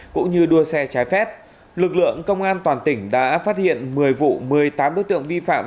cũng như đua xe trái phép lực lượng công an toàn tỉnh đã phát hiện một mươi vụ một mươi tám đối tượng vi phạm